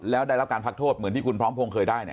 แล้วได้รับการพักโทษนที่คุณพร้อมพงษ์เคยได้